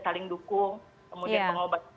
saling dukung kemudian mengobat